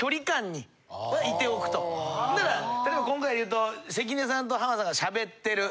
ほんなら例えば今回でいうと関根さんと浜田さんがしゃべってる。